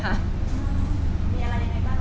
มีอะไรในบ้างบ้างบ้าง